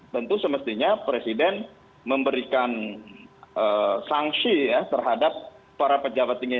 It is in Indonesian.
tentu semestinya presiden memberikan sanksi ya terhadap para pejabat tinggi